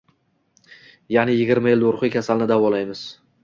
Ya’ni yigirma xil ruhiy kasalni davolaymiz.